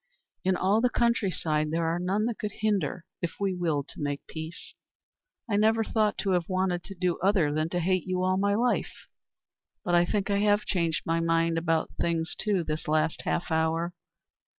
In all the countryside there are none that could hinder if we willed to make peace. I never thought to have wanted to do other than hate you all my life, but I think I have changed my mind about things too, this last half hour.